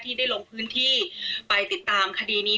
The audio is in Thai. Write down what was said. ได้ลงพื้นที่ไปติดตามคดีนี้